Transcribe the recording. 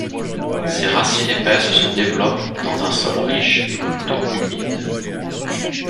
Ses racines épaisses se développent dans un sol riche et plutôt humide.